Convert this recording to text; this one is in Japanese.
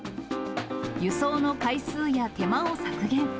輸送の回数や手間を削減。